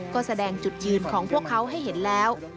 ก็แสดงจุดยืนของพวกเขาให้เห็นแล้ว